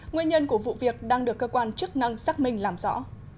nguyên nhân của vụ việc đang được cơ quan chức năng xác minh làm rõ